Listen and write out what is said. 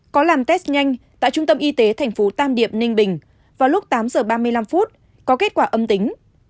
có làm test nhanh tại trung tâm y tế thành phố tam điệp ninh bình vào lúc tám giờ ba mươi năm phút có kết quả âm tính